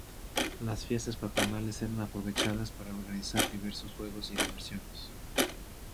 Las fiestas patronales eran aprovechadas para organizar diversos juegos y diversiones.